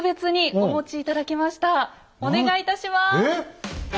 お願いいたします！